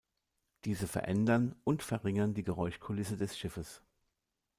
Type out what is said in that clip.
Diese verändern und verringern die Geräuschkulisse des Schiffes.